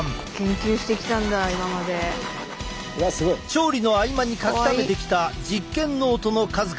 調理の合間に書きためてきた実験ノートの数々。